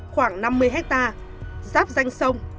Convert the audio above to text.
khoảng năm mươi hectare giáp danh sông